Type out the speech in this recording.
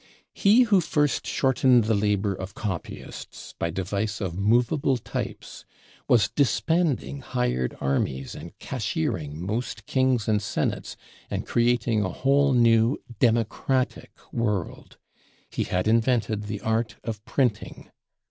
"He who first shortened the labor of Copyists by device of Movable Types was disbanding hired Armies, and cashiering most Kings and Senates, and creating a whole new Democratic world: he had invented the Art of Printing.